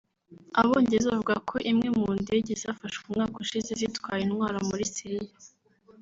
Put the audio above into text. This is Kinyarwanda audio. Abongereza bavugako imwe mu indege zafashwe umwaka ushize zitwaye intwaro muri Syria